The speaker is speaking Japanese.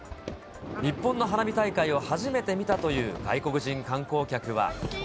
日本の花火大会を初めて見たという外国人観光客は。